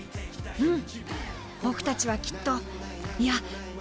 うん。